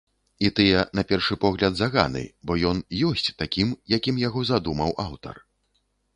І тыя на першы погляд заганы, бо ён ёсць такім, якім яго задумаў аўтар.